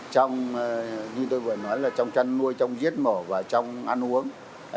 trong như tôi vừa nói là trong chăn nuôi trong giết mổ và trong ăn uống